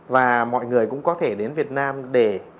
và mọi người cũng có thể đến việt nam để